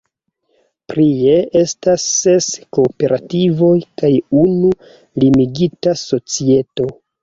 Prie estas ses kooperativoj kaj unu limigita societo.